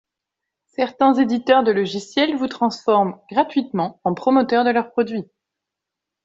Certains éditeurs de logiciels vous transforment -gratuitement- en promoteurs de leurs produits!